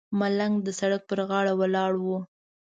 ملنګ د سړک پر غاړه ولاړ و.